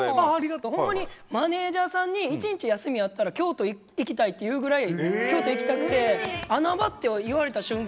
ほんまにマネージャーさんに「一日休みあったら京都行きたい」って言うぐらい京都行きたくて「穴場」って言われた瞬間